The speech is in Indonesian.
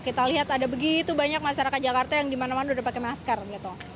kita lihat ada begitu banyak masyarakat jakarta yang dimana mana udah pakai masker gitu